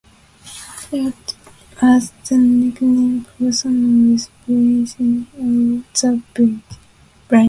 "Caoch" was the nickname for someone with poor eyesight or "the blind".